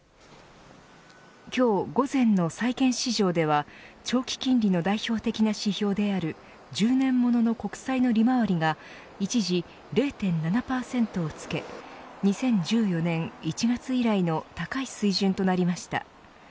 今日午前の債券市場では長期金利の代表的な指標である１０年物の国債の利回りが一時０．７％をつけ２０１４年１月以来の高い水準となりました。